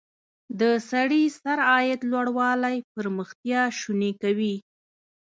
د سړي سر عاید لوړوالی پرمختیا شونې کوي.